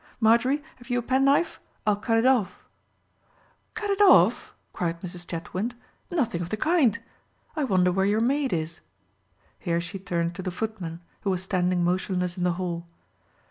—Marjorie, have you a penknife? I'll cut it off." "Cut it off!" cried Mrs. Chetwynd; "nothing of the kind! I wonder where your maid is?" Here she turned to the footman, who was standing motionless in the hall.